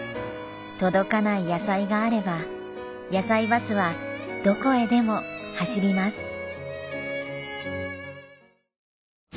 届かない野菜があればやさいバスはどこへでも走ります。